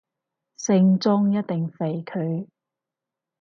聖莊一定肥佢